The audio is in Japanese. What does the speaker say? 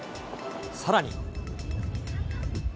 さらに。